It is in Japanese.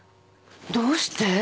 どうして？